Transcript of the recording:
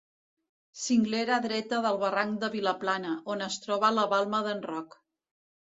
Cinglera dreta del barranc de Vilaplana, on es troba la Balma d'en Roc.